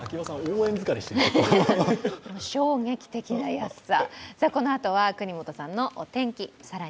衝撃的な安さ。